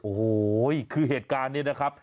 โอ้โหคือเหตุการณ์นี้นะครับ